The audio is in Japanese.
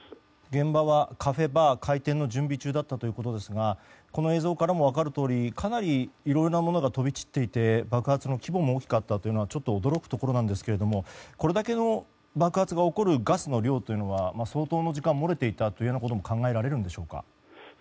現場はカフェバー開店の準備中だったということですがこの映像からも分かるとおりかなりいろいろなものが飛び散っていて爆発の規模も大きかったというのはちょっと驚くところなんですがこれだけの爆発が起こるガスの量というのは相当の時間漏れていたことも考えられるんでしょうか？